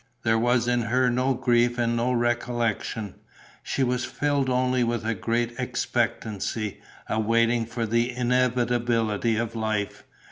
There was in her no grief and no recollection. She was filled only with a great expectancy, a waiting for the inevitability of life.